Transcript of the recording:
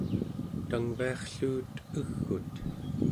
tangviarrluut eg'ut